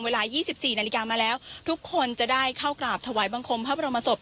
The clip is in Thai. เวลา๒๔นาฬิกามาแล้วทุกคนจะได้เข้ากราบถวายบังคมพระบรมศพ